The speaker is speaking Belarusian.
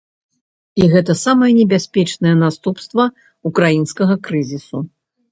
І гэта самае небяспечнае наступства ўкраінскага крызісу.